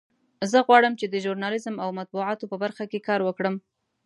زه غواړم چې د ژورنالیزم او مطبوعاتو په برخه کې کار وکړم